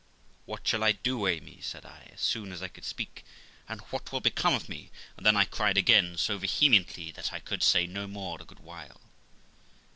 'What shall I do, Amy?' said I, as soon as I could speak, 'and what will become of me?' And then I cried again so vehemently that I could say no more a great while.